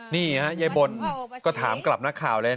นี่ฮะยายบนก็ถามกลับนักข่าวเลย